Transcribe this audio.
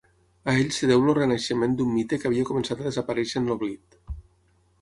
A ell es deu el renaixement d'un mite que havia començat a desaparèixer en l'oblit.